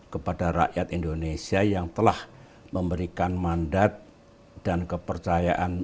kepada rakyat indonesia yang telah memberikan mandat dan kepercayaan